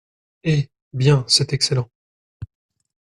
Eh ! bien, c’est excellent.